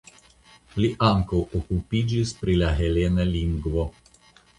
Li ankaŭ okupiĝis pri la helena lingvo.